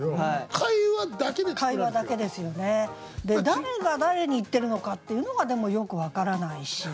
誰が誰に言ってるのかっていうのがでもよく分からないし。